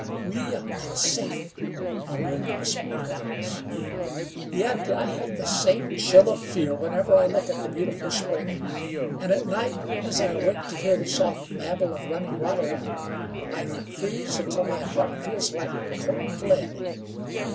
"We are safe," murmured Whispering Winds. "Yet I have the same chill of fear whenever I look at the beautiful spring, and at night as I awake to hear the soft babble of running water, I freeze until my heart feels like cold lead.